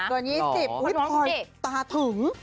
ตัวน๒๐หวิดคอยตาถึง